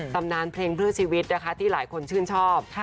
ตำนานเพลงเพื่อชีวิตนะคะที่หลายคนชื่นชอบ